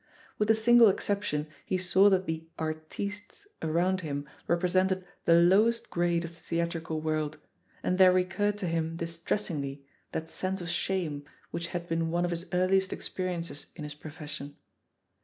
With a single exception, he saw that the "artistes" aroimd him represented the lowest grade of the theatrical world, and there recurred to him distressingly that sense of shame which had been one of his earliest experi ences in his profession.